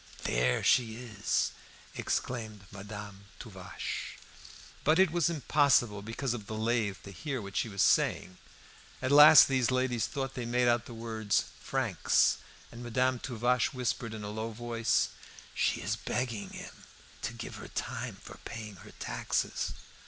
there she is!" exclaimed Madame Tuvache. But it was impossible because of the lathe to hear what she was saying. At last these ladies thought they made out the word "francs," and Madame Tuvache whispered in a low voice "She is begging him to give her time for paying her taxes."